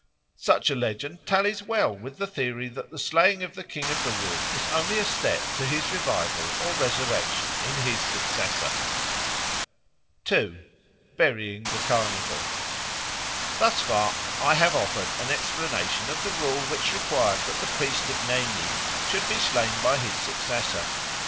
Such a legend tallies well with the theory that the slaying of the King of the Wood was only a step to his revival or resurrection in his successor. 2. Burying the Carnival THUS far I have offered an explanation of the rule which required that the priest of Nemi should be slain by his successor.